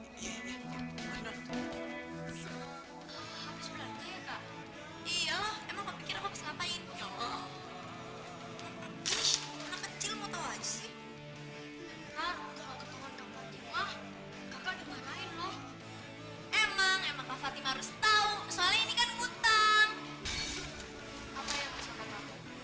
mestinya mereka ngerti dong kalau keadaan kamu lagi seperti ini